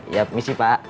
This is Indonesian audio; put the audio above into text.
ya misi pak